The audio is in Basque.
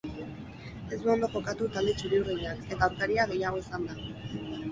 Ez du ondo jokatu talde txuri-urdinak, eta aurkaria gehiago izan da.